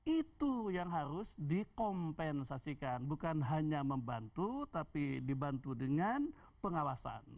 itu yang harus dikompensasikan bukan hanya membantu tapi dibantu dengan pengawasan